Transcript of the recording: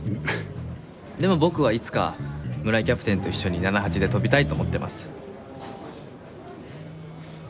でも僕はいつか村井キャプテンと一緒にナナハチで飛びたいと思ってます。